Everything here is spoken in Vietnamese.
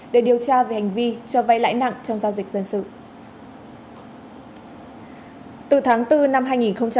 để điều tra về hành vi cho vay lãi nặng trong giao dịch dân sự